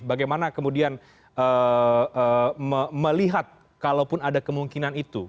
bagaimana kemudian melihat kalaupun ada kemungkinan itu